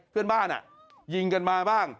เพื่อนบ้านยิงกันมาบ้าง